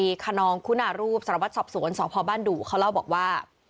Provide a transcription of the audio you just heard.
ตำรวจตรีคนนองคุณารูปสรวจสอบสวนสภพบ้านดุเขาเล่าบอกว่า